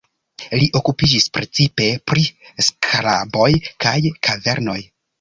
Li okupiĝis precipe pri skaraboj kaj kavernoj.